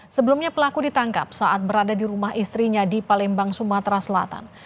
sebelumnya pelaku ditangkap saat berada di rumah istrinya di palembang sumatera selatan